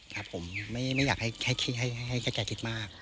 ครับผมไม่อยากให้แกคิดมาก